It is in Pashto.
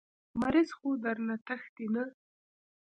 مريض خو درنه تښتي نه.